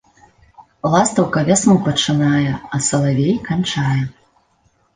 Ластаўка вясну пачынае, а салавей канчае